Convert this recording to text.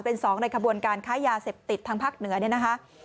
เป็นสองในขบวนการค้ายาเสพติดทางภาคเหนือเนี่ยนะคะ